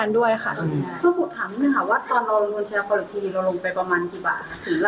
หรือว่าก็จะเลื่อนมั้ยครับ